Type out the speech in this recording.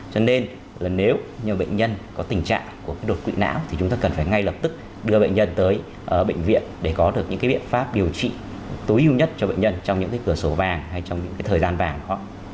cho nên là nếu như bệnh nhân có tình trạng của cái đột quỵ não thì chúng ta cần phải ngay lập tức đưa bệnh nhân tới bệnh viện để có được những cái biện pháp điều trị tối ưu nhất cho bệnh nhân trong những cái cửa sổ vàng hay trong những cái thời gian vàng của họ